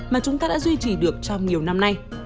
mà chúng ta đã duy trì được trong nhiều năm nay